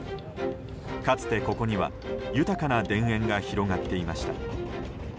かつて、ここには豊かな田園が広がっていました。